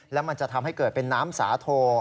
แล้วมันจะทำให้เกิดเป็นน้ำสาโท